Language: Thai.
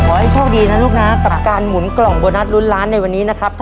ขอให้โชคดีนะลูกนะกับการหมุนกล่องโบนัสลุ้นล้านในวันนี้นะครับ